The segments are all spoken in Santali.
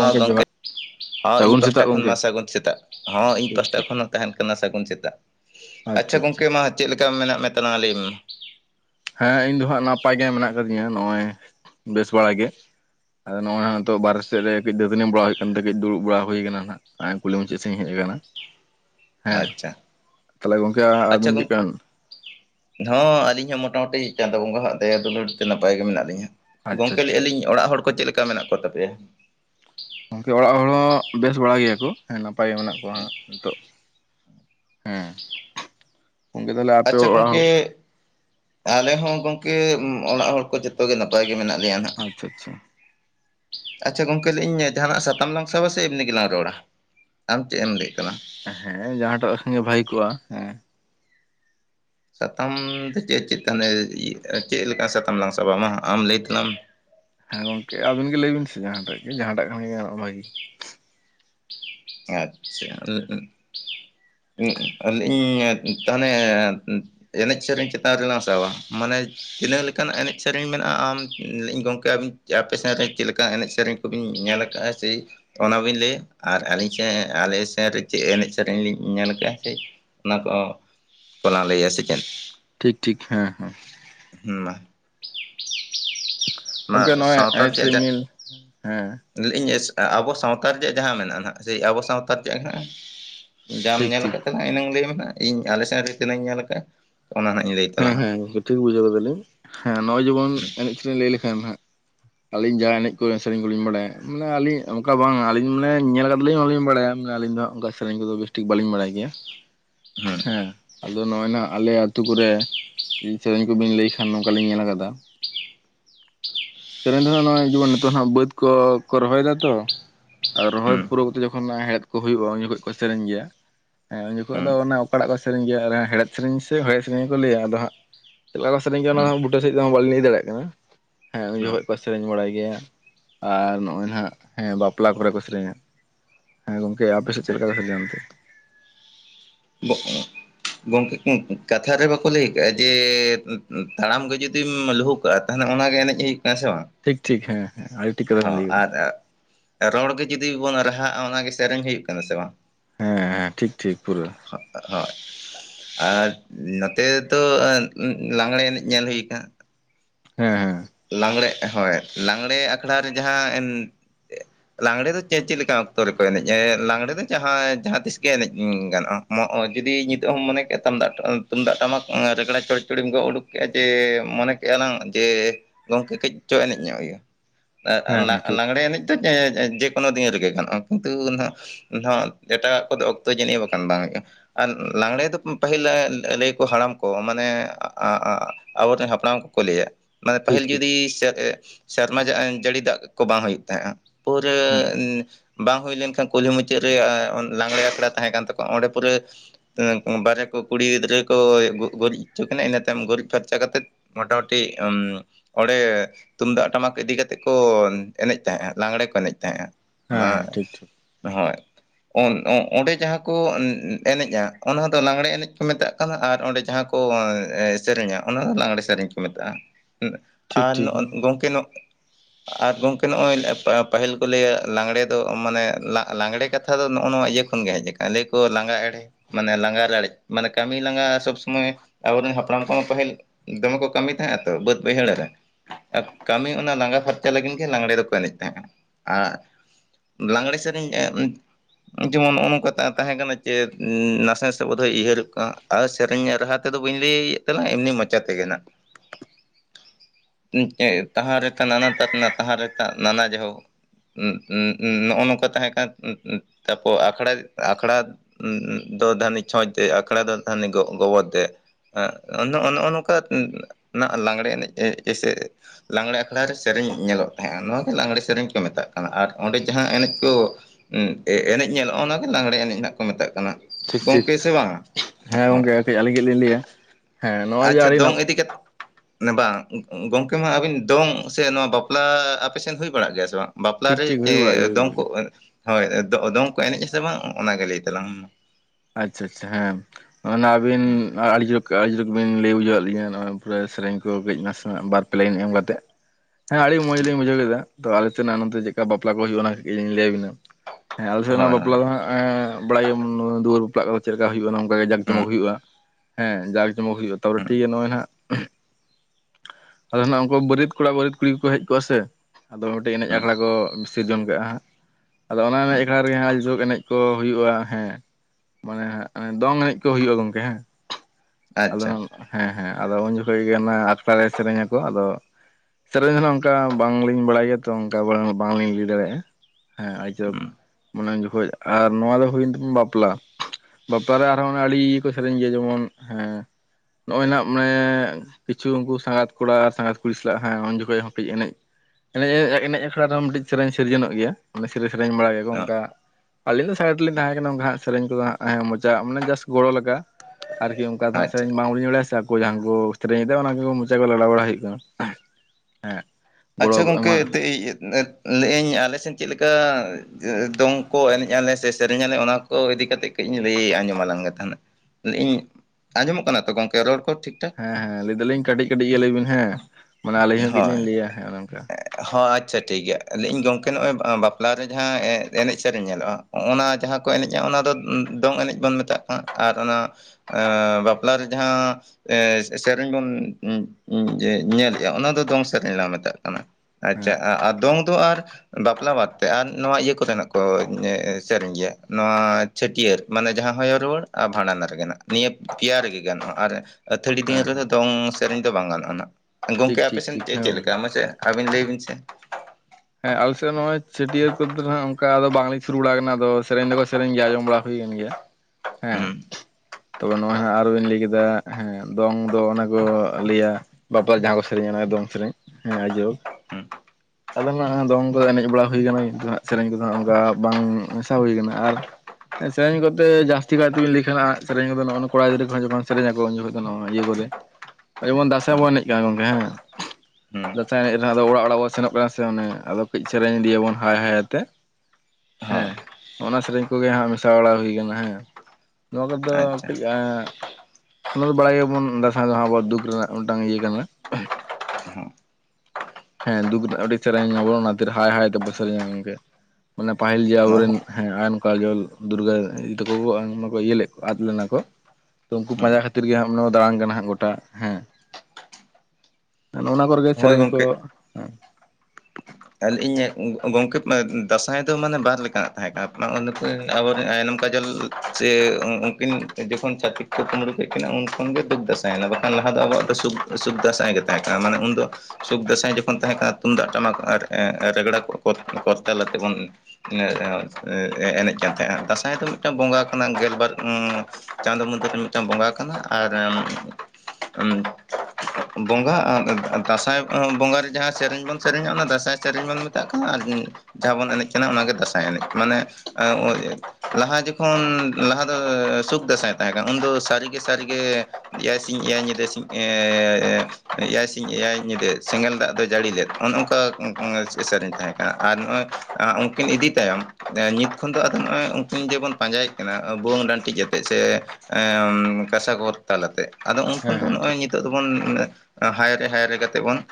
ᱦᱮᱸ ᱡᱚᱦᱟᱨ ᱜᱚᱢᱠᱮ ᱦᱮᱸ ᱤᱧ ᱥᱟᱹᱜᱩᱱ ᱯᱟᱦᱴᱟ ᱥᱮᱛᱟᱜ ᱠᱷᱚᱱ ᱜᱚᱝᱠᱮ ᱢᱟ ᱥᱟᱜᱩᱱ ᱥᱮᱛᱟᱜ ᱦᱚ ᱤᱧ ᱴᱷᱤᱠ ᱯᱟᱦᱴᱟ ᱴᱷᱤᱠ ᱠᱷᱚᱱ ᱛᱟᱦᱮᱱ ᱠᱟᱱᱟ ᱥᱟᱹᱜᱩᱱ ᱥᱮᱛᱟᱜ ᱟᱪᱪᱷᱟ ᱜᱚᱝᱠᱮ ᱢᱟ ᱪᱮᱫ ᱞᱮᱠᱟ ᱢᱮᱱᱟᱜ ᱢᱮᱛᱟᱞᱟᱝ ᱞᱮᱭᱢᱮ ᱢᱟ ᱦᱮᱸ ᱤᱧ ᱫᱚ ᱦᱟᱸᱜ ᱱᱟᱯᱟᱭ ᱜᱮ ᱢᱮᱱᱟᱜ ᱟᱠᱟᱫᱤᱧᱟ ᱱᱚᱜᱼᱭ ᱵᱮᱥ ᱵᱟᱲᱟ ᱜᱮ ᱟᱫᱚ ᱱᱚᱜᱼᱚᱭ ᱱᱚᱜ ᱵᱟᱨᱦᱮᱮᱫ ᱨᱮ ᱠᱟᱹᱡ ᱫᱟᱹᱛᱱᱤᱢ ᱵᱟᱲᱟ ᱦᱩᱭ ᱦᱩᱭᱩᱜ ᱠᱟᱱ ᱠᱟᱹᱡ ᱫᱩᱲᱩᱵ ᱵᱟᱲᱟ ᱦᱩᱭ ᱠᱟᱱᱟ ᱱᱟᱜ ᱦᱟᱜ ᱟᱭ ᱠᱩᱞᱤ ᱢᱩᱪᱟᱹᱫ ᱥᱮᱫ ᱤᱧ ᱦᱮᱡ ᱟᱠᱟᱱᱟ ᱦᱮᱸ ᱟᱪᱪᱷᱟ ᱛᱟᱦᱚᱞᱮ ᱜᱚᱝᱠᱮ ᱟᱪᱪᱷᱟ ᱟᱹᱵᱤᱱ ᱜᱚᱝᱠᱮ ᱪᱮᱫᱠᱟᱱ ᱦᱚᱸ ᱟᱹᱞᱤᱧ ᱦᱚᱸ ᱢᱳᱚᱴᱟᱢᱩᱴᱤ ᱪᱟᱸᱫᱚ ᱵᱚᱸᱜᱟ ᱦᱟᱸᱜ ᱫᱟᱭᱟ ᱫᱩᱞᱟᱹᱲ ᱛᱮ ᱱᱟᱯᱟᱭ ᱜᱮ ᱢᱮᱱᱟᱜ ᱞᱤᱧᱟ ᱟᱪᱪᱷᱟ ᱜᱚᱝᱠᱮ ᱞᱟᱹᱭᱼᱟ ᱟᱪᱪᱷᱟ ᱞᱤᱧ ᱚᱲᱟᱜ ᱦᱚᱲ ᱠᱚ ᱪᱮᱫ ᱞᱮᱠᱟ ᱢᱮᱱᱟᱜ ᱠᱚᱛᱟᱯᱮᱭᱟ? ᱜᱚᱢᱠᱮ ᱚᱲᱟᱜ ᱦᱚᱲ ᱦᱚᱸ ᱵᱮᱥ ᱵᱟᱲᱟ ᱜᱮᱭᱟ ᱠᱚ ᱦᱮᱸ ᱱᱟᱯᱟᱭ ᱜᱮ ᱢᱮᱱᱟᱜ ᱠᱚᱣᱟ ᱦᱟᱸᱜ ᱱᱤᱛᱚᱜ ᱦᱮᱸ ᱜᱚᱝᱠᱮ ᱛᱟᱦᱚᱞᱮ ᱟᱯᱮ ᱟᱪᱪᱷᱟ ᱚᱲᱟᱜ ᱜᱚᱝᱠᱮ ᱦᱚᱲ ᱟᱞᱮ ᱦᱚᱸ ᱜᱚᱝᱠᱮ ᱚᱲᱟᱜ ᱦᱚᱲ ᱠᱚ ᱡᱚᱛᱚ ᱜᱮ ᱱᱟᱯᱟᱭ ᱜᱮ ᱢᱮᱱᱟᱜ ᱞᱮᱭᱟ ᱱᱟᱜ ᱟᱪᱪᱷᱟ ᱟᱪᱪᱷᱟ ᱟᱪᱪᱷᱟ ᱜᱚᱝᱠᱮ ᱞᱟ. ᱭᱮᱫ ᱤᱧ ᱡᱟᱦᱟᱱᱟᱜ ᱥᱟᱛᱟᱢ ᱞᱟᱝ ᱥᱟᱵ ᱥᱮ ᱮᱢᱱᱤ ᱜᱮᱞᱟᱝ ᱨᱚᱲᱟ ᱟᱢ ᱪᱮᱫ ᱮᱢ ᱞᱮᱭ ᱮᱫ ᱛᱟᱞᱟᱝ ᱟ ᱦᱮᱸ ᱡᱟᱦᱟᱸᱴᱟᱜ ᱮᱠᱷᱟᱱᱜᱮ ᱵᱷᱟᱹᱜᱤ ᱠᱚᱜᱼᱟ ᱦᱮᱸ ᱥᱟᱛᱟᱢ ᱫᱚ ᱪᱮᱫ ᱪᱮᱫᱟᱱ ᱪᱮᱫ ᱞᱮᱠᱟ ᱥᱟᱛᱟᱢ ᱞᱟᱝ ᱪᱟᱵᱢᱟ ᱟᱢ ᱞᱟᱹᱭ ᱛᱟᱞᱟᱜ ᱢᱮ ᱦᱮᱸ ᱜᱚᱝᱠᱮ ᱟᱵᱤᱱ ᱜᱮ ᱞᱟᱹᱭ ᱵᱤᱱ ᱥᱮ ᱡᱟᱦᱟᱸᱴᱟᱜ ᱜᱮ ᱡᱟᱦᱟᱸᱴᱟᱜ ᱠᱷᱟ ᱜᱮ ᱜᱟᱱᱚᱜ-ᱟ ᱵᱷᱟᱹᱜᱤ ᱟᱪᱪᱷᱟ [unintelligible] ᱩᱜ-ᱩᱜ ᱩᱜ ᱞᱮᱭᱤᱧ ᱛᱟᱱᱮ [unintelligible] ᱮᱱᱮᱡ ᱥᱮᱨᱮᱧ ᱪᱮᱛᱟᱱ ᱨᱮᱞᱟᱝ ᱥᱟᱵᱟ ᱢᱟᱱᱮ ᱛᱤᱱᱟᱹᱜ ᱞᱮᱠᱟᱱ ᱮᱱᱮᱡ ᱥᱮᱨᱮᱧ ᱢᱮᱱᱟᱜᱼᱟ ᱟᱢ ᱤᱧ ᱜᱚᱢᱠᱮ ᱡᱮ ᱟᱯᱮ ᱥᱮᱱ ᱨᱮ ᱪᱮᱫ ᱞᱮᱠᱟ ᱮᱱᱮᱡ ᱥᱮᱨᱮᱧ ᱠᱚᱵᱤᱱ ᱧᱮᱞ ᱟᱠᱟᱟᱜᱼᱟ ᱥᱮ ᱚᱱᱟᱵᱤᱱ ᱞᱟᱹᱭᱟ ᱟᱨ ᱟᱹᱞᱤᱧ ᱪᱮ [unintelligible] ᱟᱞᱮ ᱥᱮᱱ ᱨᱮ ᱪᱮᱫ ᱮᱱᱮᱡ ᱥᱮᱨᱮᱧ ᱞᱤᱧ ᱧᱮᱞ ᱠᱟᱜᱼᱟ ᱚᱱᱟ ᱠᱚ ᱠᱚᱞᱟᱝ ᱞᱟᱹᱭ ᱟ ᱥᱮᱪᱮᱫ ᱴᱷᱤᱠ ᱴᱷᱤᱠ ᱦᱮᱸ ᱦᱮᱸ ᱦᱮᱸ ᱢᱟ ᱢᱟ ᱜᱚᱝᱠᱮ ᱱᱚᱜᱼᱚᱭ ᱮᱪ ᱨᱤᱢᱤᱞ ᱦᱮᱸ ᱞᱟ. ᱭᱮᱫ ᱟᱧ ᱟᱵᱚ ᱥᱟᱶᱛᱟ ᱨᱮᱭᱟᱜ ᱡᱟᱦᱟᱸ ᱢᱮᱱᱟᱜᱼᱟ ᱱᱟᱜ ᱥᱮ ᱟᱵᱚ ᱥᱟᱶᱛᱟ ᱨᱮ ᱪᱮᱫ ᱢᱮᱱᱟᱜ ᱟ ᱡᱟᱢ ᱴᱷᱤᱠ ᱧᱮᱞ ᱴᱷᱤᱠ ᱟᱠᱟᱫ ᱛᱟᱞᱟᱝ ᱤᱱᱟ. ᱝ ᱞᱟᱹᱭ ᱢᱮ ᱦᱟᱸᱜ ᱤᱧ ᱟᱞᱮ ᱥᱮᱱ ᱨᱮ ᱛᱤᱱᱟᱹᱜᱧ ᱧᱮᱞ ᱟᱠᱟᱫᱼᱟ ᱚᱱᱟ ᱦᱟᱸᱜ ᱤᱧ ᱞᱟᱹᱭ ᱦᱮᱸ ᱛᱟᱞᱟᱝ ᱦᱟᱸᱜ ᱦᱮᱸᱠ ᱴᱷᱤᱠ ᱵᱩᱡᱷᱟᱹᱣ ᱠᱮᱫᱟᱞᱤᱧ ᱦᱮᱸ ᱡᱮᱢᱚᱱ ᱮᱱᱮᱡ ᱥᱮᱨᱮᱧ ᱞᱟᱹᱭ ᱞᱮᱠᱷᱟᱱ ᱦᱟᱸᱜ ᱟᱹᱞᱤᱧ ᱡᱟᱦᱟᱸ ᱮᱱᱮᱡ ᱠᱚ ᱥᱮᱨᱮᱧ ᱠᱚᱞᱤᱧ ᱵᱟᱲᱟᱭᱟ ᱢᱟᱱᱮ ᱟᱹᱞᱤᱧ ᱚᱱᱠᱟ ᱵᱟᱝ ᱟᱹᱞᱤᱧ ᱢᱟᱱᱮ ᱧᱮᱞ ᱠᱟᱫᱟ ᱞᱤᱧ ᱚᱱᱟ ᱞᱤᱧ ᱵᱟᱲᱟᱭᱟ ᱟᱹᱞᱤᱧ ᱫᱚ ᱚᱱᱠᱟ ᱥᱮᱨᱮᱧ ᱠᱚᱫᱚ ᱮᱥᱴᱤᱠ ᱵᱟᱞᱤᱧ ᱵᱟᱲᱟᱭ ᱜᱮᱭᱟ ᱦᱮᱸ ᱟᱫᱚ ᱱᱚᱜ ᱚᱭ ᱱᱟᱦᱟᱜ ᱟᱞᱮ ᱟᱛᱩ ᱠᱚᱨᱮ ᱥᱮᱨᱮᱧ ᱠᱚᱵᱤᱱ ᱞᱟᱹᱭ ᱠᱷᱟᱱ ᱱᱚᱝᱠᱟᱞᱤᱧ ᱧᱮᱞ ᱟᱠᱟᱫᱟ ᱥᱮᱨᱮᱧ ᱨᱮ ᱱᱟᱦᱟᱜ ᱡᱤᱵᱚᱱ ᱱᱤᱛᱚᱜ ᱵᱟᱹᱫᱽ ᱠᱚᱠᱚ ᱨᱚᱦᱚᱭᱮᱫᱟ ᱛᱚ ᱟᱨ ᱨᱚᱦᱚᱭ ᱦᱩᱸ ᱯᱩᱨᱚᱵ ᱡᱚᱠᱷᱚᱱ ᱦᱮᱦᱮᱫ ᱠᱚ ᱦᱩᱭᱩᱜᱼᱟ ᱩᱱ ᱡᱚᱠᱷᱚᱱ ᱠᱚ ᱥᱮᱨᱮᱧ ᱜᱮᱭᱟ ᱦᱮᱸ ᱩᱱ ᱡᱚᱠᱷᱚᱱ ᱦᱩᱸ ᱟᱫᱚ ᱚᱠᱟᱴᱟᱜ ᱠᱚ ᱥᱮᱨᱮᱧ ᱜᱮᱭᱟ ᱦᱮᱦᱮᱫ ᱥᱮᱨᱮᱧ ᱥᱮ ᱦᱚᱲᱮᱮᱫ ᱥᱮᱨᱮᱧ ᱜᱮᱠᱚ ᱞᱟᱹᱭᱟ ᱟᱫᱚ ᱦᱟᱸᱜ ᱪᱮᱫ ᱠᱚᱠᱚ ᱥᱮᱨᱮᱧ ᱜᱮᱭᱟ ᱦᱩᱸ ᱚᱱᱟ ᱵᱩᱴᱟᱹ ᱥᱟᱹᱦᱤᱡ ᱛᱮᱦᱚ ᱵᱟᱹᱞᱤᱧ ᱞᱟᱹᱭ ᱫᱟᱲᱮᱭᱟᱜ ᱠᱟᱱᱟ ᱦᱮᱸ ᱩᱱ ᱦᱩᱸ ᱡᱚᱠᱷᱚᱱ ᱠᱚ ᱥᱮᱨᱮᱧ ᱵᱟᱲᱟᱭ ᱜᱮᱭᱟ ᱟᱨ ᱱᱚᱜᱼᱚᱭ ᱱᱟᱱᱟᱜ ᱦᱮᱸ ᱵᱟᱯᱞᱟ ᱠᱚᱨᱮ ᱠᱚ ᱥᱮᱨᱮᱧᱟ ᱦᱮᱸ ᱜᱚᱝᱠᱮ ᱟᱯᱮᱥᱮᱫ ᱪᱮᱫ ᱟᱪᱪᱷᱟ ᱞᱮᱠᱟ ᱠᱚ [unintelligible] ᱠᱟᱛᱷᱟ ᱡᱟᱱᱛᱮ ᱵᱜ ᱚᱸ [unintelligible] ᱜᱚᱝᱠᱮ ᱠᱟᱛᱷᱟ ᱨᱮ ᱵᱟᱠᱚ ᱞᱟᱹᱭ ᱠᱟᱜᱼᱟ ᱡᱮ ᱛᱟᱲᱟᱢ ᱜᱮ ᱡᱩᱫᱤᱢ ᱞᱩᱦᱩᱠ ᱛᱚᱦᱞᱮ ᱚᱱᱟᱜᱮ ᱮᱱᱮᱡ ᱦᱩᱭᱩᱜ ᱠᱟᱱᱟ ᱥᱮ ᱵᱟᱝ ᱴᱷᱤᱠ ᱴᱷᱤᱠ ᱦᱮᱸᱮ ᱟᱹᱰᱤ ᱴᱷᱤᱠ ᱠᱟᱛᱷᱟ ᱵᱮᱱ ᱞᱟᱹᱭ ᱠᱟᱫᱟ ᱦᱚᱸ ᱨᱚᱲ ᱜᱮ ᱡᱩᱫᱤ ᱵᱚᱱ ᱨᱟᱦᱟᱜᱼᱟ ᱚᱱᱟᱜᱮ ᱥᱮᱨᱮᱧ ᱦᱩᱭᱩᱜ ᱠᱟᱱᱟ ᱥᱮ ᱵᱟᱝ ᱦᱮᱸ ᱦᱮᱸ ᱴᱷᱤᱠ ᱴᱷᱤᱠ ᱯᱩᱨᱟᱹ ᱦᱳᱭ ᱟᱨ ᱱᱚᱛᱮ ᱫᱚ ᱞᱟᱜᱽᱬᱮ ᱮᱱᱮᱡ ᱧᱮᱞ ᱦᱩᱭᱩᱜᱼᱟ ᱦᱮᱸ ᱦᱮᱸ ᱞᱟᱜᱽᱲᱮ ᱦᱳᱭ ᱞᱟᱜᱽᱲᱮ ᱟᱠᱷᱲᱟ ᱨᱮ ᱡᱟᱦᱟᱸ [unintelligible] ᱞᱟᱜᱽᱲᱮ ᱫᱚ ᱪᱮᱫ ᱞᱮᱠᱟ ᱚᱠᱛᱚ ᱨᱮᱠᱚ ᱮᱱᱮᱡᱼᱟ ᱞᱟᱜᱽᱲᱮ ᱫᱚ ᱡᱟᱦᱟᱸ ᱡᱟᱦᱟᱸ ᱛᱤᱥ ᱜᱮ ᱮᱱᱮᱡ ᱜᱟᱱᱚᱜᱼᱟ ᱱᱚᱜᱼ ᱡᱩᱫᱤ ᱱᱤᱛᱚᱜ ᱦᱚᱸ ᱢᱚᱱᱮ ᱠᱮᱫᱮ ᱛᱩᱢᱫᱟᱜ ᱴᱟᱢᱟᱠ ᱨᱮᱜᱽᱲᱟ ᱪᱚᱲᱪᱚᱲᱤᱢ ᱠᱚ ᱩᱰᱩᱠ ᱡᱮ ᱢᱚᱱ ᱠᱮᱜᱼᱟᱞᱟᱝ ᱡᱮ ᱜᱚᱝᱠᱮ ᱠᱟᱹᱡ ᱪᱚ ᱮᱱᱮᱡ ᱧᱚᱜ ᱦᱮᱸ ᱦᱮᱸ ᱦᱩᱭᱩᱜᱼᱟ ᱴᱷᱤᱠ ᱞᱟᱜᱽᱮ ᱮᱱᱮᱡ ᱡᱮᱠᱳᱱᱳ ᱫᱤᱱ ᱨᱮᱜᱮ ᱜᱟᱱᱚᱜᱼᱟ ᱠᱤᱱᱛᱩ ᱱᱚᱣᱟ ᱮᱴᱟᱜᱟᱜ ᱠᱚᱫᱚ ᱚᱠᱛᱚ ᱡᱟᱹᱱᱤᱡ ᱵᱟᱠᱷᱟᱱ ᱵᱟᱝ ᱦᱩᱭᱩᱜᱼᱟ ᱟᱨ ᱞᱟᱜᱽᱬᱮ ᱫᱚ ᱯᱟᱹᱦᱤᱞ ᱞᱟᱹ ᱟᱠᱚ ᱦᱟᱲᱟᱢ ᱠᱚ ᱢᱟᱱᱮ ᱟᱟ ᱟᱵᱚᱨᱮᱱ ᱦᱟᱯᱲᱟᱢ ᱠᱚᱠᱚ ᱞᱟᱹᱭᱟ ᱢᱟᱱᱮ ᱴᱷᱤᱠ ᱯᱟᱹᱦᱤᱞ ᱴᱷᱤᱠ ᱡᱩᱫᱤ ᱥᱮᱨᱢᱟ ᱡᱟᱹᱲᱤ ᱫᱟᱜ ᱠᱚ ᱵᱟᱝ ᱦᱩᱭᱩᱜ ᱛᱟᱦᱮᱸᱼᱟ ᱦᱮᱸ ᱯᱩᱨᱟ ᱤ [unintelligible] ᱵᱟᱝ ᱦᱩᱭ ᱞᱮᱱᱠᱷᱟᱱ ᱠᱩᱞᱦᱤ ᱢᱩᱪᱟᱹᱫ ᱨᱮ ᱞᱟᱜᱽᱲᱮ ᱟᱠᱷᱲᱟ ᱛᱟᱦᱮᱸ ᱠᱟᱱ ᱛᱟᱠᱚᱣᱟ ᱚᱸᱰᱮ ᱯᱩᱨᱟᱹ ᱵᱟᱨᱭᱟ ᱠᱚ ᱠᱩᱲᱤ ᱜᱤᱫᱽᱨᱟᱹ ᱠᱚ ᱜᱩᱨᱤᱡ ᱦᱚᱪᱚ ᱠᱤᱱᱟ ᱤᱱᱟᱹ ᱛᱟᱭᱚᱢ ᱜᱩᱨᱤᱡᱽ ᱯᱷᱟᱨᱪᱟ ᱠᱟᱛᱮᱫ ᱢᱳᱴᱟᱢᱩᱴᱤ ᱚᱸᱰᱮ ᱛᱩᱢᱫᱟᱜ ᱴᱟᱢᱟᱠ ᱤᱫᱤ ᱠᱟᱛᱮᱫ ᱠᱚ ᱮᱱᱮᱡ ᱛᱟᱦᱮᱸᱼᱟ ᱞᱟᱜᱽᱲᱮ ᱠᱚ ᱮᱱᱮᱡ ᱛᱟᱦᱮᱸᱼᱟ ᱦᱮᱸ ᱦᱮᱸ ᱴᱷᱤᱠ ᱴᱷᱤᱠ ᱢᱟ ᱦᱚᱭ ᱚᱸᱰᱮ ᱡᱟᱦᱟᱸ ᱠᱚ ᱮᱱᱮᱡᱼᱟ ᱚᱱᱟ ᱫᱚ ᱞᱟᱜᱽᱬᱮ ᱮᱱᱮᱡ ᱠᱚ ᱢᱮᱛᱟᱜ ᱠᱟᱱᱟ ᱟᱨ ᱚᱸᱰᱮ ᱡᱟᱦᱟᱸ ᱠᱚ ᱥᱮᱨᱮᱧᱟ ᱚᱱᱟ ᱫᱚ ᱞᱟᱜᱽᱬᱮ ᱥᱮᱨᱮᱧ ᱠᱚ ᱢᱮᱛᱟᱜᱼᱟ ᱟᱨ ᱜᱚᱝᱠᱮ ᱱᱚ ᱦ ᱟᱨ ᱜᱚᱢᱠᱮ ᱱᱚᱜᱼᱚᱭ ᱯᱟᱹᱦᱤᱞ ᱠᱚ ᱞᱟᱹᱭᱟ ᱞᱟᱜᱽᱲᱮ ᱫᱚ ᱢᱟᱱᱮ ᱞᱟᱜᱽᱲᱮ ᱠᱟᱛᱷᱟ ᱫᱚ ᱱᱚᱜᱼᱚ ᱱᱚᱣᱟ ᱤᱭᱟᱹ ᱠᱷᱚᱱᱜᱮ ᱦᱮᱡ ᱠᱟᱱᱟ ᱞᱟᱭᱟᱠᱚ ᱞᱟᱸᱜᱟ ᱮᱲᱮ ᱢᱟᱱᱮ ᱞᱟᱸᱜᱟ ᱨᱟᱲᱮᱡ ᱢᱟᱱᱮ ᱠᱟᱹᱢᱤ ᱞᱟᱸᱜᱟ ᱥᱚᱵ ᱥᱚᱢᱚᱭ ᱟᱵᱚᱨᱮᱱ ᱦᱟᱯᱲᱟᱢ ᱠᱚ ᱦᱚ ᱯᱟᱹᱦᱤᱞ ᱫᱚᱢᱮ ᱠᱚ ᱠᱟᱹᱢᱤ ᱛᱟᱦᱮᱸᱟᱛᱚ ᱵᱟᱹᱛ ᱵᱟᱹᱭᱦᱟᱹᱲᱟᱹ ᱨᱮ ᱠᱟᱹᱢᱤ ᱚᱱᱟ ᱞᱟᱸᱜᱟ ᱯᱷᱟᱨᱪᱟ ᱞᱟᱹᱜᱤᱫ ᱜᱮ ᱞᱟᱜᱽᱬᱮ ᱫᱚᱠᱚ ᱮᱱᱮᱡ ᱛᱟᱦᱮᱸ ᱟᱨ ᱞᱟᱜᱽᱲᱮ ᱥᱮᱨᱮᱧ ᱡᱮᱢᱚᱱ ᱱᱚᱜᱼᱚ ᱱᱚᱝᱠᱟ ᱛᱟᱦᱮᱸ ᱠᱟᱱᱟ ᱡᱮ ᱱᱟᱥᱮ ᱥᱮᱫ ᱵᱚᱫᱷᱚᱭ ᱩᱭᱦᱟᱹᱨᱚᱜ ᱠᱟᱱᱟ ᱟᱨ ᱥᱮᱨᱮᱧᱟᱜ ᱨᱟᱦᱟ ᱛᱮᱫᱚ ᱵᱟᱹᱧ ᱞᱟᱹᱭᱮᱫ ᱛᱟᱦᱮᱱᱟ ᱮᱢᱱᱤ ᱢᱚᱪᱟ ᱛᱮᱜᱮ ᱦᱟᱜ ᱛᱟᱦᱟ ᱨᱮᱛᱟ ᱱᱟᱱᱟ ᱛᱟᱨᱱᱟ ᱛᱟᱦᱟ ᱨᱮᱛᱟ ᱱᱟᱱᱟ ᱡᱮ ᱦᱚ ᱱᱚᱜᱼᱚ ᱱᱚᱝᱠᱟ ᱛᱟᱦᱮᱸᱠ ᱛᱟᱨᱯ ᱟᱠᱷᱲᱟ ᱟᱠᱷᱲᱟ ᱫᱚ ᱫᱷᱟᱹᱱᱤ ᱪᱷᱚᱸᱪ ᱛᱮ ᱟᱠᱷᱲᱟ ᱫᱚ ᱫᱷᱟᱹᱱᱤ ᱜᱚᱵᱚᱨ ᱛᱮ ᱱᱚᱜᱼᱚ ᱱᱚᱜᱼᱚ ᱱᱚᱝᱠᱟ ᱱᱟᱦᱟᱜ ᱞᱟᱜᱽᱬᱮ ᱮᱱᱮᱡ ᱛᱮ ᱞᱟᱜᱽᱬᱮ ᱟᱠᱷᱲᱟ ᱨᱮ ᱥᱮᱨᱮᱧ ᱧᱮᱞᱚᱜ ᱛᱟᱦᱮᱸᱫ ᱱᱚᱣᱟᱜᱮ ᱞᱟᱜᱽᱬᱮ ᱥᱮᱨᱮᱧ ᱠᱚ ᱢᱮᱛᱟᱜ ᱠᱟᱱᱟ ᱟᱨ ᱚᱸᱰᱮ ᱡᱟᱦᱟᱸ ᱮᱱᱮᱡ ᱠᱚ ᱦᱮᱸ ᱮᱱᱮᱡ ᱧᱮᱞᱚᱜ-ᱟ ᱚᱱᱟᱜᱮ ᱞᱟᱜᱽᱲᱮ ᱮᱱᱮᱡ ᱠᱚ ᱢᱮᱛᱟᱜ ᱠᱟᱱᱟ ᱴᱷᱤᱠ ᱴᱷᱤᱠ ᱜᱚᱝᱠᱮ ᱥᱮ ᱵᱟᱝ ᱦᱮᱸ ᱦᱳᱭ ᱜᱚᱝᱠᱮ ᱠᱟᱹᱡ ᱟᱹᱞᱤᱧ ᱜᱮ ᱞᱤᱧ ᱞᱟᱹᱭᱟ ᱦᱮᱸ ᱱᱚᱜᱼᱚᱭ ᱡᱮ ᱟᱪᱪᱷᱟ ᱟᱹᱰᱤᱞᱤ ᱱᱟ ᱫᱚᱝ ᱤᱫᱤ ᱠᱟᱛᱮ ᱵᱟᱝ ᱜᱚᱝᱠᱮ ᱢᱟ ᱟᱵᱤᱱ ᱫᱚᱝ ᱥᱮ ᱱᱚᱣᱟ ᱵᱟᱯᱞᱟ ᱟᱯᱮᱥᱮᱫ ᱦᱩᱭ ᱵᱟᱲᱟᱜ ᱜᱮᱭᱟ ᱥᱮ ᱵᱟᱝ ᱴᱷᱤᱠ ᱵᱟᱯᱞᱟᱨᱮ ᱴᱷᱤᱠ ᱦᱩᱭ ᱵᱟᱲᱟᱜ ᱜᱮᱭᱟ ᱦᱩᱭ ᱫᱚᱝ ᱵᱟᱲᱟᱜ ᱠᱚ ᱜᱮᱭᱟ ᱦᱳᱭ ᱫᱚᱝ ᱠᱚ ᱮᱱᱮᱡ ᱟᱥᱮ ᱵᱟᱝ ᱚᱱᱟᱜᱮ ᱞᱟᱹᱭ ᱛᱟᱞᱟᱝ ᱢᱮ ᱟᱪᱷᱟ ᱟᱪᱷᱟ ᱦᱮᱸ ᱮ ᱟᱹᱵᱤᱱ ᱢᱮ ᱟᱹᱰᱤ ᱡᱳᱚᱠ ᱟᱹᱰᱤ ᱡᱳᱚᱠᱵᱤᱱ ᱞᱟᱹᱭ ᱵᱩᱷᱟᱹᱣᱮᱫ ᱞᱤᱧ ᱱᱚᱜᱼ ᱯᱮ ᱥᱮᱨᱮᱧ ᱠᱚ ᱠᱟᱹᱡ ᱱᱟᱥᱮᱱᱟᱜ ᱵᱟᱨ ᱯᱞᱟᱭ ᱧᱩᱢᱞᱟᱛᱮ ᱦᱮᱸ ᱟᱹᱰᱤ ᱢᱚᱸᱡᱽᱤᱧ ᱵᱩᱡᱷᱟᱹᱣ ᱠᱮᱫᱟ ᱛᱳ ᱟᱞᱮᱥᱮᱱᱟᱜ ᱱᱚᱛᱮ ᱪᱮᱫ ᱞᱮᱠᱟ ᱵᱟᱯᱞᱟ ᱠᱚ ᱦᱩᱭᱩᱜᱼᱟ ᱚᱱᱟ ᱠᱟᱹ ᱞᱤᱧ ᱞᱟᱹᱭᱟᱵᱤᱱᱟ ᱦᱮᱸ ᱟᱞᱮ ᱥᱮᱫᱱᱟᱜ ᱦᱳᱭ ᱦᱳᱭ ᱵᱟᱯᱞᱟ ᱫᱚ ᱱᱟᱦᱟᱜ ᱵᱟᱲᱟᱭᱟᱢ ᱫᱩᱣᱟᱹᱨ ᱵᱟᱯᱟᱜ ᱠᱚ ᱪᱮᱫ ᱞᱮᱠᱟ ᱦᱩᱭᱩᱜᱼᱟ ᱱᱚᱝᱠᱟ ᱜᱮ ᱡᱟᱠ ᱦᱩᱸ ᱡᱚᱢᱚᱠ ᱦᱩᱭᱩᱜᱼᱟ ᱦᱮᱸ ᱡᱟᱠ ᱡᱚᱢᱚᱠ ᱦᱩᱭᱩᱜᱼᱟ ᱛᱟᱨᱚᱨᱮ ᱦᱩᱸ ᱴᱷᱤᱠ ᱜᱮᱭᱟ ᱱᱚᱜᱼᱚᱭ ᱱᱟᱦᱟᱜ ᱟᱫᱚ ᱱᱟ ᱩᱱᱠᱩ ᱵᱟᱹᱨᱭᱟᱹᱛ ᱠᱚᱲᱟ ᱵᱟᱹᱨᱭᱟᱹᱛ ᱠᱩᱲᱤ ᱠᱚᱠᱚ ᱦᱮᱡ ᱠᱚᱜᱼᱟ ᱥᱮ ᱟᱫᱚ ᱢᱤᱫᱴᱮᱡ ᱮᱱᱮᱡ ᱦᱩᱸ ᱟᱠᱷᱲᱟ ᱠᱚ ᱥᱤᱨᱡᱚᱱ ᱠᱟᱜᱼᱟ ᱦᱟᱸᱜ ᱟᱫᱚ ᱚᱱᱟ ᱮᱱᱮᱡ ᱦᱩᱸ ᱟᱠᱷᱲᱟ ᱨᱮᱜᱮ ᱡᱩᱜᱽ ᱮᱱᱮᱡ ᱠᱚ ᱦᱩᱭᱩᱜᱼᱟ ᱦᱮᱸ ᱢᱟᱱᱮ ᱫᱚᱝ ᱮᱱᱮᱡ ᱠᱚ ᱦᱩᱭᱩᱜᱼᱟ ᱜᱚᱝᱠᱮ ᱦᱮᱸ ᱟᱫᱚ ᱟᱪᱪᱷᱟ ᱦᱮᱸ ᱦᱮᱸ ᱟᱫᱚ ᱩᱱ ᱡᱚᱠᱷᱮᱡ ᱜᱮ ᱚᱱᱟ ᱟᱠᱷᱲᱟ ᱨᱮ ᱥᱮᱨᱮᱧᱟᱠᱚ ᱟᱫᱚ ᱥᱮᱨᱮᱧ ᱫᱚ ᱱᱟᱦᱟᱜ ᱚᱱᱠᱟ ᱵᱟᱝᱞᱤᱧ ᱵᱟᱲᱟᱭ ᱜᱮᱭᱟ ᱛᱚ ᱚᱱᱠᱟ ᱵᱟᱝᱞᱤᱧ ᱞᱟᱹᱭ ᱫᱟᱲᱮᱭᱟᱜᱼᱟ ᱦᱮᱸ ᱟᱡᱡᱚᱠ ᱦᱩᱸ ᱢᱟᱱᱮ ᱡᱚᱠᱷᱚᱡ ᱟᱨ ᱱᱚᱣᱟ ᱫᱚ ᱦᱩᱭᱮᱱ ᱛᱟᱵᱱᱟ ᱵᱟᱯᱞᱟ ᱵᱟᱯᱞᱟᱟᱨᱮ ᱟᱨᱦᱚᱸ ᱚᱱᱮ ᱟᱹᱰᱤ ᱠᱚ ᱥᱮᱨᱮᱧ ᱜᱮᱭᱟ ᱡᱮᱢᱚᱱ ᱦᱮᱸ ᱱᱚᱜᱼᱚᱭ ᱢᱟᱱᱮ ᱠᱤᱪᱷᱩ ᱩᱱᱠᱩ ᱥᱟᱸᱜᱟᱛ ᱠᱚᱲᱟ ᱥᱟᱸᱜᱟᱛ ᱠᱩᱲᱤ ᱥᱟᱞᱟᱜ ᱦᱮᱸ ᱩᱱ ᱡᱚᱠᱷᱚᱱᱴᱤᱡ ᱮᱱᱮᱡ ᱮᱱᱮᱡ ᱮᱱᱮᱡ ᱟᱠᱷᱲᱟ ᱨᱮᱦᱚᱸ ᱢᱤᱫᱴᱤᱡ ᱥᱮᱨᱮᱧ ᱥᱤᱨᱡᱚᱱᱚᱜ ᱜᱮᱭᱟ ᱢᱟᱱᱮ ᱥᱮᱨᱮᱧ ᱥᱮᱨᱮᱧ ᱵᱟᱲᱟᱭ ᱜᱮᱭᱟᱠᱚ ᱚ ᱚᱱᱠᱟ ᱟᱞᱤᱧ ᱫᱚ ᱥᱟᱭᱤᱰ ᱨᱮᱞᱤᱧ ᱛᱟᱦᱮᱸ ᱠᱟᱱᱟ ᱠᱟ ᱦᱟᱜ ᱥᱮᱨᱮᱧ ᱮ ᱢᱚᱡᱟ ᱢᱟᱱᱮ ᱡᱚᱥᱴ ᱜᱚᱲᱚ ᱞᱮᱠᱟ ᱟᱨᱠᱤ ᱚᱱᱠᱟ ᱫᱚ ᱦᱟᱸᱜ ᱟᱪᱪᱷᱟ ᱥᱮᱧ ᱵᱟᱝᱞᱤᱧ ᱵᱟᱲᱟᱭ ᱥᱮ ᱟᱠᱚ ᱡᱟᱦᱟᱸᱭ ᱠᱚ ᱥᱮᱨᱮᱧᱮᱫᱟ ᱚᱱᱟ ᱠᱚ ᱢᱚᱪᱟ ᱠᱚ ᱞᱟᱲᱟᱣ ᱵᱟᱲᱟ ᱦᱩᱭᱩᱜ ᱠᱟᱱᱟ ᱦᱮᱸ ᱟᱪᱷᱟ ᱜᱚᱝᱠᱮ ᱞᱟᱹᱭᱟᱧ ᱟᱞᱮ ᱥᱮᱱ ᱪᱮᱫ ᱞᱮᱠᱟ ᱫᱚᱝ ᱠᱚ ᱮᱱᱮᱡ ᱟᱞᱮ ᱥᱮ ᱥᱮᱨᱮᱧ ᱟᱞᱮ ᱚᱱᱟ ᱠᱚ ᱤᱫᱤ ᱠᱟᱛᱮᱜ ᱠᱟᱹᱡ ᱤᱧ ᱞᱟᱹᱭ ᱟᱸᱡᱚᱢ ᱟᱞᱟᱝ ᱜᱮ ᱛᱟᱦᱮᱱᱟ ᱤᱧ ᱟᱸᱡᱚᱢᱚᱜ ᱠᱟᱱᱟ ᱛᱚ ᱜᱚᱝᱠᱮ ᱨᱚᱲ ᱠᱚ ᱴᱷᱤᱠ ᱴᱷᱟᱠ ᱦᱮᱸ ᱦᱮᱸ ᱞᱟᱹᱭ ᱫᱟᱞᱤᱧ ᱠᱟᱹᱴᱤᱡ ᱠᱟᱹᱴᱤᱡ ᱞᱟᱹᱭ ᱵᱤᱱ ᱦᱮᱸ ᱢᱟᱱᱮ ᱟᱹᱞᱤᱧ ᱦᱚᱸ ᱠᱟᱹᱡ ᱦᱳᱭ ᱞᱤᱧ ᱞᱟᱹᱭᱟ ᱚᱱᱮᱝᱠᱟ ᱦᱚᱸ ᱟᱪᱷᱟ ᱴᱷᱤᱠᱜᱮᱭᱟ ᱟ ᱤᱧ ᱜᱚᱝᱠᱮ ᱱᱚᱜᱼᱚᱭ ᱵᱟᱯᱞᱟ ᱨᱮ ᱡᱟᱦᱟᱸ ᱮᱱᱮᱡ ᱥᱮᱨᱮᱧ ᱧᱮᱞᱚᱜᱼᱟ ᱚᱱᱟ ᱡᱟᱦᱟᱸ ᱠᱚ ᱮᱱᱮᱡᱼᱟ ᱚᱱᱟ ᱫᱚ ᱫᱚᱝ ᱮᱱᱮᱡ ᱵᱚᱱ ᱢᱮᱛᱟᱜ ᱠᱟᱱᱟ ᱟᱨ ᱚᱱᱟ ᱮᱸ ᱵᱟᱯᱞᱟᱨᱮ ᱡᱟᱦᱟᱸ ᱮ ᱥᱮᱨᱮᱧ ᱵᱚᱱ ᱧᱮᱞᱮᱜᱼᱟ ᱚᱱᱟ ᱫᱚ ᱫᱚᱝ ᱥᱮᱨᱮᱧ ᱱᱟᱦᱟᱜ ᱢᱮᱛᱟᱜ ᱠᱟᱱᱟ ᱦᱮᱸ ᱟᱪᱪᱷᱟ ᱫᱚᱝ ᱫᱚ ᱟᱨ ᱵᱟᱯᱞᱟ ᱵᱟᱫᱛᱮ ᱟᱨ ᱱᱚᱣᱟ ᱤᱭᱟᱹ ᱠᱚᱛᱮᱱᱟᱜ ᱠᱚ ᱥᱮᱨᱮᱧ ᱜᱮᱭᱟ ᱱᱚᱣᱟ ᱪᱷᱟᱹᱴᱭᱟᱹᱨ ᱢᱟᱱᱮ ᱡᱟᱦᱟᱸ ᱦᱚᱭ ᱨᱩᱣᱟᱹᱲ ᱟᱨ ᱵᱷᱟᱸᱰᱟᱱ ᱨᱮᱜᱮ ᱱᱤᱭᱟᱹ ᱯᱮᱭᱟ ᱨᱮᱜᱮ ᱜᱟᱱᱚᱜᱼᱟ ᱟᱨ ᱟᱹᱛᱷᱟᱹᱲᱤ ᱫᱤᱱ ᱦᱮᱸ ᱨᱮᱫᱚ ᱫᱚᱝ ᱥᱮᱨᱮᱧ ᱫᱚ ᱵᱟᱝ ᱜᱟᱱᱚᱜᱼᱟ ᱴᱷᱤᱠ ᱜᱚᱝᱠᱮ ᱟᱯᱮ ᱴᱷᱤᱠ ᱥᱮᱱ ᱴᱷᱤᱠ ᱪᱮᱫ ᱦᱮᱸ ᱪᱮᱫ ᱞᱮᱠᱟ ᱜᱚᱝᱠᱮ ᱢᱟᱥᱮ ᱟᱹᱵᱤᱱ ᱞᱟᱹᱭ ᱵᱤᱱ ᱥᱮ ᱦᱮᱸ ᱟᱞᱮᱫ ᱱᱚᱜᱼᱭ ᱪᱟᱹᱴᱭᱟᱹᱨ ᱠᱚᱫᱚ ᱚᱱᱠᱟᱫᱚ ᱵᱟᱝᱞᱤᱧ ᱥᱩᱨᱩ ᱵᱟᱲᱟ ᱟᱠᱟᱱᱟᱟᱱᱟ ᱟᱫᱚ ᱥᱮᱨᱮᱧ ᱫᱚᱠᱚ ᱥᱮᱨᱮᱧ ᱜᱮᱭᱟ ᱟᱸᱡᱚᱢ ᱵᱟᱲᱟ ᱦᱩᱭᱮᱱ ᱜᱮᱭᱟ ᱦᱮᱸ ᱦᱩᱸ ᱛᱚᱵᱮ ᱱᱚᱜᱚᱭ ᱦᱟᱜ ᱟᱨᱚ ᱤᱧ ᱞᱟᱹᱭ ᱠᱮᱫᱟ ᱦᱮᱸ ᱫᱚᱝ ᱫᱚ ᱚᱱᱟ ᱠᱚ ᱞᱟᱹᱭᱟ ᱵᱟᱯᱞᱟ ᱨᱮ ᱡᱟᱦᱟᱸ ᱠᱚ ᱥᱮᱨᱮᱧᱟ ᱚᱱᱟ ᱫᱚᱝ ᱥᱮᱨᱮᱧ ᱦᱮᱸ ᱟᱡᱳᱽ ᱦᱩᱸ ᱟᱫᱚ ᱫᱚᱝ ᱠᱚᱫᱚ ᱮᱱᱮᱡ ᱵᱟᱲᱟ ᱦᱩᱭ ᱠᱟᱱᱟ ᱠᱤᱱᱛᱩ ᱦᱟᱸᱜ ᱥᱮᱨᱮᱧ ᱠᱚᱫᱚ ᱦᱟᱸᱜ ᱚᱱᱠᱟ ᱵᱟᱝ ᱢᱮᱥᱟ ᱦᱩᱭ ᱠᱟᱱᱟ ᱟᱨ ᱥᱮᱨᱮᱧ ᱠᱚᱛᱮ ᱡᱟᱹᱥᱛᱤᱟᱭᱛᱮᱵᱤᱱ ᱞᱟᱹᱭᱠᱷᱟᱱ ᱥᱮᱨᱮᱧ ᱠᱚᱫᱚᱜᱼ ᱠᱚᱲᱟ ᱜᱤᱫᱽᱨᱟᱹᱦ ᱡᱚᱠᱷᱚᱱ ᱥᱮᱨᱮᱧ ᱟᱠᱚ ᱩᱱᱡᱚᱦᱚᱜᱼᱟ ᱤᱭᱟᱹ ᱠᱚᱨᱮ ᱡᱮᱢᱚᱱ ᱫᱟᱸᱥᱟᱭ ᱦᱩᱸ ᱵᱚᱱ ᱮᱱᱮᱡ ᱠᱟᱱᱟ ᱜᱚᱝᱠᱮ ᱦᱮᱸ ᱦᱩᱸ ᱫᱟᱸᱥᱟᱭ ᱮᱱᱮᱡ ᱨᱮᱦᱚᱸ ᱟᱫᱚ ᱚᱲᱟᱜ ᱚᱲᱟᱜ ᱵᱚᱱ ᱥᱮᱱᱚᱜ ᱠᱟᱱᱟ ᱥᱮ ᱚᱱᱮ ᱟᱫᱚ ᱠᱟᱹᱡ ᱥᱮᱨᱮᱧ ᱤᱫᱤᱭᱟᱵᱚᱱ ᱦᱟᱭ ᱦᱟᱭ ᱟᱛᱮ ᱦᱳᱭ ᱦᱮᱸ ᱚᱱᱟ ᱥᱮᱨᱮᱧ ᱠᱚᱜᱮ ᱦᱟᱸᱜ ᱢᱮᱥᱟ ᱵᱟᱲᱟ ᱦᱩᱭ ᱠᱟᱱᱟ ᱦᱮᱸ ᱱᱚᱣᱟ ᱠᱚᱫᱚ ᱟᱪᱪᱷᱟ ᱠᱟᱹᱡ ᱮᱸ ᱚᱱᱟ ᱫᱚ ᱵᱟᱲᱟᱭ ᱜᱮᱭᱟᱵᱚᱱ ᱫᱟᱸᱥᱟᱭ ᱫᱚ ᱟᱵᱚᱣᱟᱜ ᱫᱩᱠ ᱨᱮᱱᱟᱜ ᱢᱤᱫᱴᱟᱝ ᱤᱭᱟᱹ ᱠᱟᱱᱟ ᱦᱚᱸ ᱦᱮᱸ ᱫᱩᱠ ᱵᱚᱞ ᱚᱱᱟ ᱦᱟᱭ ᱦᱟᱭ ᱫᱚ ᱠᱚ ᱥᱮᱨᱮᱧᱟ ᱜᱚᱢᱠᱮ ᱢᱟᱱᱮ ᱯᱟᱹᱦᱤᱞ ᱡᱮ ᱟᱵᱚᱨᱮᱱ ᱦᱩᱸ ᱦᱮᱸ ᱟᱭᱤᱱ ᱠᱟᱡᱚᱞ ᱫᱩᱨᱜᱟᱹ ᱤ ᱛᱟᱠᱚ ᱚᱱᱟ ᱠᱚ ᱤᱭᱟᱹ ᱞᱮᱫ ᱟᱫ ᱞᱮᱱᱟ ᱠᱚ ᱛᱚ ᱩᱱᱠᱩ ᱯᱟᱸᱡᱟ ᱠᱷᱟᱹᱛᱤᱨ ᱜᱮ ᱦᱜ ᱫᱟᱬᱟᱱ ᱠᱟᱱᱟ ᱦᱟᱸᱜ ᱜᱳᱴᱟ ᱦᱮᱸ ᱚᱱᱟ ᱠᱚᱨᱮᱜᱮ ᱦᱳᱭ ᱥᱮᱨᱮᱧ ᱠᱚ ᱦᱮᱸ ᱤᱧ ᱜᱚᱝᱠᱮ ᱫᱟᱸᱥᱟᱭ ᱫᱚ ᱢᱟᱱᱮ ᱵᱟᱨ ᱞᱮᱠᱟᱱᱟᱜ ᱛᱟᱦᱮᱸᱠᱟᱱᱟ ᱟᱵᱚᱨᱮᱱ ᱟᱭᱱᱚᱢ ᱠᱟᱡᱚᱞ ᱥᱮ ᱩᱱᱠᱤᱱ ᱡᱚᱠᱷᱚᱱ ᱪᱷᱟᱛᱤᱠ ᱠᱚ ᱛᱢᱲᱩ ᱠᱤ ᱩᱱ ᱠᱷᱚᱱ ᱜᱮ ᱫᱩᱠ ᱫᱟᱸᱟᱭᱱᱟ ᱵᱟᱠᱷᱟᱱ ᱞᱟᱦᱟ ᱫᱚ ᱟᱵᱚᱣᱟᱜ ᱫᱚ ᱥᱩᱠ ᱥᱩᱠ ᱫᱟᱸᱟᱥᱟᱸᱟᱭ ᱜᱮ ᱛᱟᱦᱮᱸ ᱠᱟᱱᱟ ᱢᱟᱱᱮ ᱩᱱᱫᱚ ᱥᱩᱠ ᱫᱟᱸᱥᱟᱭ ᱡᱚᱠᱷᱚᱱ ᱛᱟᱦᱮᱸ ᱠᱟᱱᱟ ᱛᱩᱢᱫᱟᱜ ᱴᱟᱢᱟᱠ ᱨᱮᱜᱽᱲᱟ ᱠᱚ ᱠᱚᱨᱛᱟᱞᱛᱮ ᱵᱚᱱ ᱮᱱᱮᱡ ᱠᱟᱱ ᱛᱟᱦᱮᱸᱱᱟ ᱫᱟᱸᱥᱟᱭ ᱫᱚ ᱢᱤᱫᱴᱟᱱ ᱵᱚᱸᱜᱟ ᱠᱟᱱᱟ ᱜᱮᱞᱵᱟᱨ ᱪᱟᱸᱫᱚᱳ ᱢᱚᱱᱫᱤᱨ ᱨᱮ ᱢᱤᱫᱴᱟᱱ ᱵᱚᱸᱜᱟ ᱠᱟᱱᱟ ᱟᱨ ᱵᱚᱸᱜᱟ ᱫᱟᱸᱥᱟᱭ ᱵᱚᱸᱜᱟᱨᱮ ᱡᱟᱦᱟᱸ ᱥᱮᱨᱮᱧ ᱵᱚᱱ ᱥᱮᱨᱮᱧᱟ ᱚᱱᱟ ᱫᱟᱸᱥᱟᱭ ᱪᱟᱴᱟᱹᱨᱤ ᱵᱟᱹᱱᱩᱜ ᱠᱟᱱᱟ ᱛᱟᱢᱟ ᱟᱨ ᱠᱤ ᱡᱟᱦᱟᱸ ᱵᱚᱱ ᱮᱱᱮᱡ ᱠᱟᱱᱟ ᱚᱱᱟᱜᱮ ᱫᱟᱸᱥᱟᱭ ᱮᱱᱮᱡ ᱢᱟᱱᱮ ᱞᱟᱦᱟ ᱡᱚᱠᱷᱚᱱ ᱞᱟᱦᱟ ᱫᱚ ᱥᱩᱠ ᱫᱟᱸᱥᱟᱭ ᱛᱟᱦᱮᱸ ᱠᱟᱱᱟ ᱩᱱᱫᱚ ᱥᱟᱹᱨᱤᱜᱮ ᱥᱟᱹᱨᱤᱜᱮ ᱮᱟᱭ ᱥᱤᱧ ᱮᱭᱟᱭ ᱧᱤᱫᱟᱹ ᱥᱤᱧ ᱮ ᱮᱟᱭ ᱥᱤᱧ ᱮᱭᱟᱭ ᱧᱤᱫᱟᱹ ᱥᱮᱸᱜᱮᱞ ᱫᱟᱜ ᱫᱚ ᱡᱟᱹᱲᱤ ᱞᱮᱫ ᱚᱱᱮ ᱚᱱᱠᱟ ᱥᱮᱨᱮᱧ ᱛᱟᱦᱮᱸ ᱠᱟᱱᱟ ᱟᱨ ᱱᱚᱜᱼᱚᱭ ᱩᱱᱠᱤᱱ ᱤᱫᱤ ᱛᱟᱭᱚᱢ ᱱᱤᱛ ᱠᱷᱚᱱ ᱫᱚ ᱟᱫᱚ ᱱᱚᱜᱼᱚᱭ ᱩᱱᱠᱤᱱ ᱡᱮᱢᱚᱱ ᱯᱟᱸᱡᱟᱭᱮᱫ ᱠᱤᱱᱟ ᱵᱷᱩᱣᱟᱹᱝ ᱰᱟᱱᱴᱤ ᱟᱛᱮᱫ ᱥᱮ ᱠᱟᱥᱟ ᱠᱚᱨ ᱛᱟᱞᱟᱛᱮ ᱟᱫᱚ ᱦᱮᱸ ᱩᱱᱠᱷᱚᱱ ᱫᱚ ᱦᱮᱸ ᱴᱷᱤᱠ ᱱᱚᱜᱭ ᱱᱤᱛ ᱱᱤᱛᱚᱜ ᱫᱚᱵᱚᱱ ᱦᱟᱭᱨᱮ ᱦᱟᱭᱨᱮ ᱠᱟᱛᱮᱜ ᱵᱚᱱ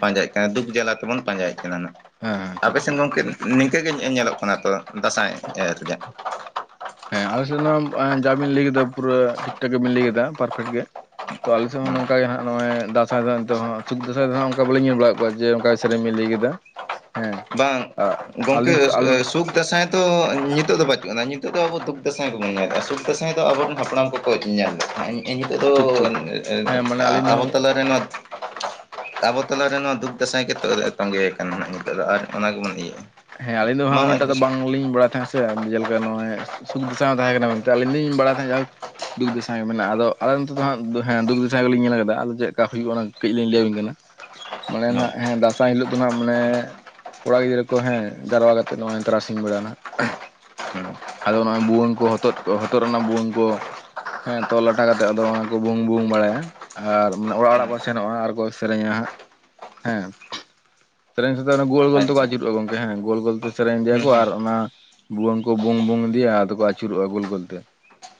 ᱯᱟᱸᱡᱟᱭᱮᱫ ᱠᱟᱱᱟ ᱫᱩᱠ ᱡᱟᱞᱟ ᱛᱮᱵᱚᱱ ᱯᱟᱸᱡᱟᱭᱮᱫ ᱠᱟᱱᱟ ᱱᱟ ᱦᱮᱸ ᱦᱮᱸ ᱴᱷᱤᱠ ᱟᱯᱮᱥᱮᱱ ᱴᱷᱤᱠ ᱜᱚᱝᱠᱮ ᱱᱤᱝᱠᱟᱹ ᱜᱮ ᱧᱮᱞᱚᱜ ᱠᱟᱱᱟ ᱛᱚ ᱫᱟᱸᱥᱟᱭ ᱮᱱᱮᱡ ᱨᱮᱭᱟᱜ ᱦᱮᱸ ᱟᱞᱮ ᱥᱮᱫ ᱡᱟᱵᱤᱱ ᱞᱟᱹᱭ ᱠᱮᱫᱟ ᱯᱩᱨᱟᱹ ᱴᱷᱤᱠ ᱴᱷᱟᱠ ᱜᱮᱵᱤᱱ ᱞᱟᱹᱭ ᱠᱮᱫᱟ ᱯᱟᱨᱯᱷᱮᱠᱴ ᱜᱮ ᱛᱚ ᱟᱞᱮᱥᱮᱫ ᱦᱚᱸ ᱱᱚᱝ ᱜᱮ ᱦᱜᱼᱚᱭ ᱫᱟᱸᱥᱟᱭ ᱫᱚ ᱱᱤᱛᱚᱜ ᱥᱩ ᱫᱟᱸᱟᱭ ᱫᱚᱟᱸᱜ ᱚᱱᱠᱟ ᱵᱟᱞᱤᱮ ᱧᱮᱞ ᱵᱟᱲᱟᱫ ᱠᱚᱣᱟ ᱡᱮ ᱚᱱᱠᱟ ᱥᱮᱨᱮᱧ ᱞᱟᱹᱭ ᱠᱮᱫᱟ [inaudible] ᱵᱟᱝ ᱜᱚᱢᱠᱮ ᱟᱹᱞᱤᱧ ᱥᱮᱫ ᱥᱩᱠ ᱫᱩᱠ ᱫᱟᱸᱭ ᱫᱚ ᱱᱤᱛᱳᱜ ᱫᱚ ᱵᱟᱪᱩᱜᱼᱟᱱᱟ ᱱᱤᱛ ᱫᱚ ᱟᱵᱩ ᱫᱩᱠ ᱫᱟᱸ ᱵᱚᱱ ᱧᱮᱞ ᱮᱟᱩ ᱫᱟᱸᱭ ᱫᱚ ᱟᱵᱚᱮᱱ ᱦᱟᱯᱲᱟᱢ ᱠᱚ ᱠᱚ ᱧᱮᱞ ᱛᱟᱦᱮᱸ ᱮᱦ ᱤᱛᱳᱜ ᱫᱚ ᱴᱷᱤᱠ ᱴᱷᱤᱠ ᱦᱮᱸ ᱢᱟᱱᱮ ᱟᱹᱞᱤᱧ ᱫᱚ ᱟᱵᱚ ᱦᱟᱸᱜ ᱛᱟᱞᱟᱨᱮ ᱱᱚᱣᱟ ᱟᱵᱚ ᱛᱟᱞᱟᱨᱮ ᱱᱚᱣᱟ ᱫᱩᱠ ᱫᱟᱸᱥᱟᱭ ᱜᱮᱛᱚ ᱛᱚᱜᱮᱭᱟᱠᱟ ᱱᱤᱛᱳᱜ ᱫᱚ ᱟᱨ ᱚᱱᱟ ᱜᱮᱵᱚᱱ ᱤᱭᱟᱹᱟᱹᱜᱭᱟ ᱦᱮᱸ ᱟᱞᱤᱧ ᱫᱚ ᱦᱟᱸᱜ ᱩᱱᱟᱹᱜᱴᱟ ᱫᱚ ᱵᱟᱝᱞᱤᱧ ᱵᱟᱲᱟᱭ ᱛᱟᱦᱮᱸ ᱥᱮ ᱥᱮ ᱡᱮᱞᱮᱠᱟ ᱱᱚᱜᱼᱚᱭ ᱥᱩᱠ ᱫᱟᱥᱟᱭ ᱛᱟᱦᱮᱸ ᱠᱟᱱᱟ ᱢᱮᱱᱛᱮ ᱟᱹᱞᱤᱧ ᱞᱤᱧ ᱵᱟᱲᱟᱭ ᱛᱟᱦᱮᱸᱫ ᱡᱟᱠ ᱦᱳᱠ ᱫᱩᱠ ᱫᱟᱸᱥᱟᱭ ᱢᱮᱱᱟᱜᱼᱟ ᱟᱫᱚ ᱟᱞᱮ ᱱᱚᱛᱮᱫᱚ ᱦᱟᱸᱜ ᱦᱮ ᱫᱩᱠ ᱫᱟᱸᱟᱭ ᱜᱮᱞᱤᱧ ᱧᱮᱞ ᱠᱟᱫᱟ ᱟᱫᱚ ᱪᱮᱫᱠᱟ ᱦᱩᱭᱩᱜᱼᱟ ᱚᱱᱟ ᱠᱟᱹᱡ ᱞᱤᱧ ᱞᱟᱹᱭᱟᱵᱤᱱ ᱠᱟᱱᱟ ᱢᱟᱱᱮ ᱱᱟᱜ ᱦᱳᱭ ᱦᱮᱸ ᱫᱟᱸᱥᱟᱭ ᱦᱤᱞᱳᱜ ᱫᱚ ᱟᱜ ᱢᱟᱱᱮ ᱠᱚᱲᱟ ᱜᱤᱫᱽᱨᱟᱹ ᱠᱚ ᱦᱮᱸ ᱡᱟᱨᱟ ᱠᱟᱛᱮ ᱱᱚᱜᱼᱚᱭ ᱛᱟᱨᱟᱥᱤᱧ ᱵᱮᱲᱟᱭᱟ ᱱᱟᱜ ᱦᱮᱸ ᱟᱫᱚ ᱱᱚᱜᱼᱚᱭ ᱵᱷᱩᱣᱟᱹᱝ ᱠᱚ ᱦᱚᱛᱚᱫ ᱦᱚᱛᱚᱫ ᱨᱮᱱᱟᱜ ᱵᱷᱩᱣᱟᱹᱝ ᱠᱚ ᱦᱮᱸ ᱛᱚᱞ ᱞᱟᱴᱟ ᱠᱟᱛᱮᱜ ᱟᱫᱚ ᱚᱱᱟ ᱠᱚ ᱵᱩᱝ ᱵᱩᱝ ᱵᱟᱲᱟᱭᱟ ᱟᱨ ᱢᱟᱱᱮ ᱚᱲᱟᱜ ᱚᱲᱟᱜ ᱠᱚ ᱥᱮᱱᱚᱜᱼᱟ ᱟᱨ ᱠᱚ ᱥᱮᱨᱮᱧᱟ ᱦᱮᱸ ᱥᱮᱨᱮᱧ ᱥᱟᱛᱮ ᱜᱳᱞ ᱜᱳᱞ ᱛᱮᱠᱚ ᱟᱪᱪᱷᱟ ᱟᱹᱪᱩᱨᱚᱜᱼᱟ ᱜᱚᱝᱠᱮ ᱦᱮᱸ ᱜᱳᱞ ᱜᱳᱞᱛᱮ ᱥᱮᱨᱮᱧ ᱦᱩᱸ ᱤᱫᱤᱭᱟᱠᱚ ᱦᱩᱸ ᱟᱨ ᱚᱱᱟ ᱵᱷᱩᱩᱭᱟᱹᱝ ᱠᱚ ᱵᱩᱝ ᱵᱩᱝ ᱤᱫᱤᱭᱟ ᱟᱫᱚ ᱠᱚ ᱟᱹᱪᱩᱨᱚᱜᱼᱟ ᱜᱳᱞ ᱜᱳᱞᱛᱮ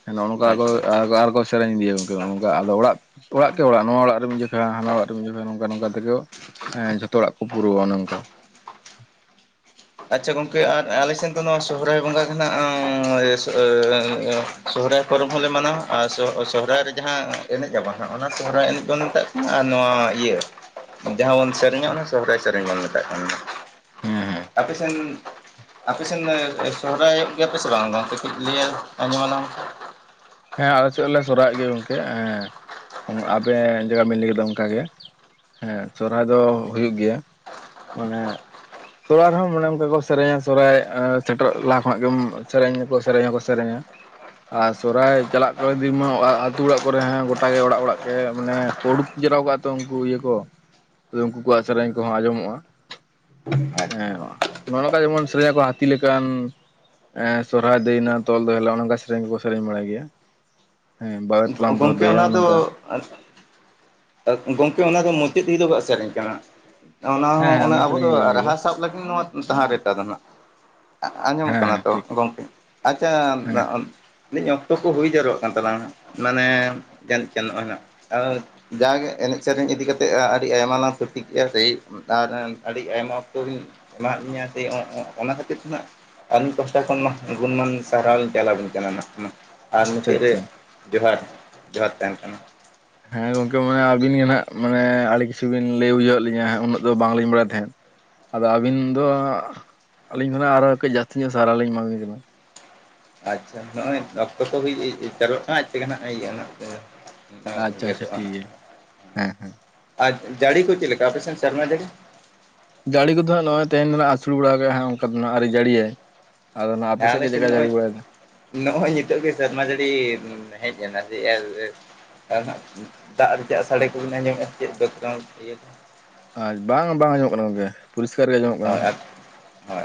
ᱦᱮ ᱱᱚᱜ ᱱᱚᱝ ᱟᱪᱪᱷᱟ ᱟᱠ ᱟᱨ ᱠᱚ ᱥᱮᱨᱮᱧ ᱤᱫᱤᱭᱟ ᱜᱚᱝᱠᱮ ᱱᱚᱜ ᱱᱚᱝᱠᱟ ᱟᱫᱚ ᱚᱲᱟᱜ ᱚᱲᱟᱜ ᱜᱮ ᱚᱲᱟᱜ ᱱᱚᱣᱟ ᱚᱲᱟᱜ ᱨᱮᱢ ᱡᱚᱠᱷᱟ ᱦᱟᱱᱟ ᱚᱲᱟᱜ ᱨᱮᱢ ᱡᱚᱠᱷᱟ ᱱᱚᱝᱠᱟ ᱱᱚᱝᱠᱟ ᱛᱮᱜᱮ ᱦᱮᱸ ᱡᱷᱚᱛᱚ ᱦᱚᱲᱟᱜ ᱠᱚ ᱯᱩᱨᱟᱹᱣᱟ ᱚᱱᱮ ᱚᱱᱠᱟ ᱟᱪᱪᱷᱟ ᱜᱚᱝᱠᱮ ᱟᱨ ᱟᱞᱮᱥᱮᱱ ᱫᱚ ᱱᱚᱣᱟ ᱥᱚᱦᱚᱨᱟᱭ ᱵᱚᱸᱜᱟ [inaudible] ᱥᱚᱦᱚᱨᱟᱭ ᱯᱚᱨᱚᱵᱽ ᱦᱚᱸᱞᱮ ᱢᱟᱱᱟᱣᱟ ᱟᱨ ᱥᱚᱦᱚᱨᱟᱭ ᱨᱮ ᱡᱟᱦᱟᱸ ᱮᱱᱮᱡ ᱟᱵᱚᱱ ᱦᱟᱸᱜᱼᱟ ᱚᱱᱟ ᱥᱚᱦᱚᱨᱟᱭ ᱮᱱᱮᱡ ᱵᱚᱱ ᱱᱤᱛᱟᱜ ᱟᱨ ᱱᱚᱣᱟ ᱤᱭᱟᱹ ᱡᱟᱦᱟᱸ ᱵᱚᱱ ᱥᱮᱨᱮᱧᱟ ᱚᱱᱟ ᱥᱚᱦᱚᱨᱟᱭ ᱥᱮᱨᱮᱧ ᱵᱚᱱ ᱢᱮᱛᱟᱜ ᱠᱟᱱᱟ ᱦᱮᱸ ᱦᱮᱸ ᱟᱯᱮᱥᱮᱱ ᱟᱯᱮ ᱥᱮᱱ ᱥᱚᱦᱨᱟᱭᱚᱜ ᱜᱮᱭᱟᱯᱮ ᱥᱮ ᱵᱟᱝ ᱜᱟᱝᱠᱮ ᱠᱟᱹᱡ ᱞᱟᱹᱭ ᱟᱸᱡᱚᱢ ᱟᱞᱟᱝ ᱢᱮᱥᱮ ᱦᱮᱸ ᱟᱞᱮ ᱥᱮᱫ ᱞᱮ ᱥᱚᱨᱦᱟᱭᱚᱜ ᱜᱮᱭᱟ ᱜᱚᱝᱠᱮ ᱦᱮᱸ ᱟᱵᱮᱱ ᱡᱟᱦᱟ ᱞᱮᱠᱟ ᱵᱮᱱ ᱞᱟᱭ ᱫᱟ ᱚᱱᱠᱟ ᱜᱮ ᱦᱮᱸ ᱥᱚᱨᱦᱟᱭ ᱫᱚ ᱦᱩᱭᱩᱜ ᱜᱮᱭᱟ ᱢᱟᱱᱮ ᱥᱚᱨᱚᱦᱦᱟᱭ ᱨᱮᱦᱚᱸ ᱚᱱᱮ ᱚᱱᱠᱟ ᱠᱚ ᱥᱮᱨᱮᱧᱟ ᱥᱚᱨᱦᱟᱭ ᱥᱮᱴᱮᱨᱚᱜ ᱞᱟᱦᱟ ᱠᱷᱚᱱᱟᱜ ᱜᱮ ᱥᱮᱨᱮᱧᱟᱠᱚ ᱥᱮᱨᱮᱧᱟᱠᱚ ᱥᱮᱨᱮᱧᱟ ᱟᱨ ᱥᱚᱨᱷᱟᱭ ᱪᱟᱞᱟᱜ ᱠᱚ ᱫᱤᱱ ᱢᱟ ᱟᱹᱛᱩᱳ ᱚᱲᱟᱜ ᱠᱚᱨᱮ ᱦᱸ ᱜᱚᱴᱟᱜᱮ ᱚᱲᱟᱜ ᱚᱲᱟᱜ ᱜᱮ ᱢᱟᱱᱮ ᱠᱳᱰᱩᱠ ᱡᱮᱨᱟᱣ ᱠᱟᱜᱼᱟ ᱛᱚ ᱩᱱᱠᱩ ᱤᱭᱟᱹ ᱠᱚ ᱩᱱᱠᱩ ᱠᱚᱣᱟᱜ ᱥᱮᱨᱮᱧ ᱠᱚᱦᱚᱸ ᱟᱸᱡᱚᱢᱚᱜᱼᱟ ᱢᱮ? ᱦᱮᱸ ᱱᱚᱜᱼᱚ ᱱᱚᱝᱠᱟ ᱡᱮᱢᱚᱱ ᱥᱮᱨᱮᱧ ᱟᱠᱚ ᱦᱟᱹᱛᱤ ᱞᱮᱠᱟᱱ ᱥᱚᱨᱦᱟᱭ ᱫᱟᱹᱭ ᱱᱟ ᱛᱚᱞ ᱫᱚᱦᱚ ᱟᱞᱟᱝ ᱚᱱᱠᱟ ᱥᱮᱨᱮᱧ ᱜᱮᱠᱚ ᱥᱮᱨᱮᱧ ᱵᱟᱲᱟᱭ ᱜᱮᱭᱟ ᱦᱮᱸ ᱛᱮᱞᱟᱝ ᱫᱚᱦᱚ ᱜᱚᱢᱠᱮ ᱫᱟᱹᱭᱟ ᱚᱱᱟ ᱚᱱᱮ ᱫᱚ ᱚᱱᱠᱟ ᱜᱚᱢᱠᱮ ᱚᱱᱟ ᱫᱚ ᱢᱩᱪᱟᱹᱫ ᱦᱤᱞᱚᱜ ᱜᱟ ᱥᱮᱨᱮᱧ ᱠᱟᱱᱟ ᱚᱱᱟ ᱦᱮᱸ ᱦᱚᱸ ᱦᱮᱸ ᱚᱱᱮ ᱚᱱᱟ ᱟᱵᱚ ᱥᱮᱨᱮᱧ ᱫᱚ ᱜᱮᱞᱤᱧ ᱞᱟᱹᱭ ᱮᱫᱟ ᱨᱟᱦᱟ ᱥᱟᱵ ᱞᱟᱹᱜᱤᱫ ᱱᱚᱣᱟ ᱛᱟᱦᱟᱸ ᱨᱮᱛᱟ ᱫᱚ ᱦᱟᱸᱜ ᱟᱸᱡᱚᱢᱚᱜ ᱦᱮᱸ ᱠᱟᱱᱟ ᱦᱮᱸ ᱛᱚ ᱴᱷᱤᱠ ᱜᱚᱢᱠᱮ ᱟᱪᱷᱟᱸ ᱦᱮᱸ ᱞᱟᱧ ᱤᱧ ᱚᱠᱛᱚ ᱠᱚ ᱦᱩᱭ ᱡᱟᱣᱨᱟᱜ ᱠᱟᱱ ᱛᱟᱞᱟᱝ ᱢᱟᱱᱮ ᱡᱟᱱᱤᱜ ᱠᱷᱟᱱ ᱱᱚᱜᱼᱚᱭ ᱦᱟᱸᱜ ᱟᱨ ᱡᱟᱼᱜᱮ ᱮᱱᱮᱡ ᱥᱮᱨᱮᱧ ᱤᱫᱤ ᱠᱟᱛᱮᱜ ᱟᱹᱰᱤ ᱟᱭᱢᱟ ᱞᱟᱝ ᱛᱷᱩᱛᱤ ᱠᱮᱜᱼᱟ ᱥᱮᱭ ᱟᱨ ᱟᱹᱰᱤ ᱟᱭᱢᱟ ᱚᱠᱛᱚ ᱵᱤᱱ ᱮᱢᱟᱫ ᱞᱤᱧᱟᱹ ᱥᱮ ᱚᱱᱟ ᱠᱷᱟᱹᱛᱤᱨ ᱛᱮ ᱱᱟᱜ ᱟᱹᱞᱤᱧ ᱯᱟᱦᱴᱟ ᱠᱷᱚᱱ ᱢᱟ ᱜᱩᱱᱢᱟᱱ ᱥᱟᱨᱦᱟᱣ ᱞᱤᱧ ᱪᱟᱞᱟ ᱟᱵᱤᱱ ᱠᱟᱱᱟ ᱟᱨ ᱟᱪᱪᱷᱟ ᱢᱩᱪᱟᱹᱫ ᱨᱮ ᱟᱪᱪᱷᱟ ᱡᱚᱦᱟᱨ ᱡᱚᱦᱟᱨ ᱛᱟᱦᱮᱱ ᱠᱟᱱᱟ ᱦᱮᱸ ᱜᱚᱢᱠᱮ ᱢᱟᱱᱮ ᱟᱹᱵᱤᱱ ᱜᱮ ᱱᱟᱦᱟᱜ ᱢᱟᱱᱮ ᱟᱹᱰᱤ ᱠᱤᱪᱷᱩ ᱵᱤᱱ ᱞᱟᱹᱭ ᱵᱩᱡᱷᱟᱹᱣ ᱞᱤᱧᱟᱹ ᱦᱩᱱᱟᱹᱜ ᱫᱚ ᱵᱟᱝᱞᱤᱧ ᱵᱟᱲᱟᱭ ᱛᱟᱦᱮᱸᱫ ᱟᱫᱚ ᱟᱹᱵᱤᱱ ᱫᱚ ᱟᱹᱞᱤᱧ ᱫᱚᱱᱟᱜ ᱟᱨᱚ ᱠᱟᱹᱡ ᱡᱟᱹᱥᱛᱤ ᱧᱚᱜ ᱥᱟᱨᱦᱟᱣ ᱞᱤᱧ ᱮᱢᱟᱵᱤᱱ ᱠᱟᱱᱟ ᱟᱪᱷᱟ ᱱᱚᱜᱼᱚᱭ ᱚᱠᱛᱚ ᱠᱚ ᱦᱩᱭ ᱡᱟᱨᱣᱟ ᱠᱟᱱᱟ ᱟᱹᱡ ᱛᱮᱜᱮ ᱱᱟᱜ ᱤᱭᱟᱹᱜᱟ ᱟᱪᱪᱷᱟ ᱟᱪᱪᱷᱟ ᱜᱮᱫᱚᱜᱼᱟ ᱴᱷᱤᱠ ᱱᱟ ᱜᱮᱭᱟ ᱦᱮᱸ ᱦᱮᱸ ᱟᱨ ᱡᱟᱹᱲᱤ ᱠᱚ ᱪᱮᱫ ᱞᱮᱠᱟ ᱟᱯᱮ ᱥᱮᱱ ᱥᱮᱨᱢᱟ ᱡᱟᱹᱲᱤ ᱡᱟᱹᱲᱤ ᱠᱚᱫᱚ ᱦᱟᱸᱜ ᱱᱚᱜᱼᱚᱭ ᱛᱮᱦᱮᱧ ᱫᱚ ᱦᱟᱸᱜ ᱟᱹᱥᱩᱞ ᱵᱟᱲᱟ ᱠᱟᱜ ᱦᱟᱸᱜ ᱚᱱᱠᱟ ᱫᱚ ᱦᱟᱸᱜ ᱟᱣᱨᱤ ᱡᱟᱹᱲᱤᱭᱟᱭ ᱟᱫᱚ ᱱᱟᱜ ᱟᱯᱮ ᱦᱮᱸ ᱜᱮ ᱟᱞᱮ ᱪᱮᱫ ᱥᱮᱫ ᱞᱮᱠᱟᱭ ᱡᱟᱹᱲᱤ ᱱᱚᱜᱼᱚᱭ ᱵᱟᱲᱟᱭᱮᱫᱟ ᱱᱚᱜᱼᱚᱭ ᱱᱤᱛᱚᱜ ᱜᱮ ᱥᱮᱨᱢᱟ ᱡᱟᱹᱲᱤ ᱦᱮᱡ ᱮᱱᱟ ᱡᱮ ᱟᱨ ᱫᱟᱜ ᱨᱮᱭᱟᱜ ᱥᱟᱰᱮ ᱠᱚᱵᱤᱱ ᱟᱸᱡᱚᱢᱮᱫᱼᱟ ᱪᱮᱫ ᱫᱚ ᱵᱮᱠᱜᱨᱟᱩᱱᱰ ᱩᱭᱟ ᱟᱨ ᱵᱟᱝ ᱵᱟᱝ ᱟᱸᱧᱡᱚᱢ ᱚᱜ ᱠᱟᱱᱟ ᱜᱚᱝᱠᱮ ᱯᱚᱨᱤᱥᱠᱟᱨ ᱜᱮ ᱟᱸᱧᱡᱚᱢᱚᱜ ᱦᱳᱭ ᱠᱟᱱᱟ ᱦᱳᱭ